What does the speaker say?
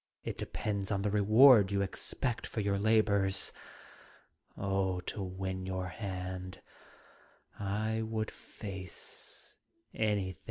It depends on the reward you expect for your labours To win your hand I would face anything.